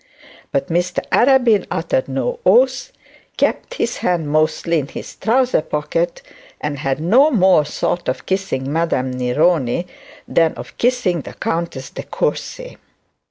But Mr Arabin uttered no oaths, kept his hand mostly in his trousers pocket, and had no more thought of kissing Madam Neroni than of kissing the Countess De Courcy.